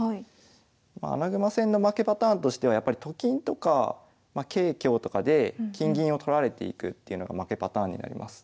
まあ穴熊戦の負けパターンとしてはやっぱりと金とか桂香とかで金銀を取られていくっていうのが負けパターンになります。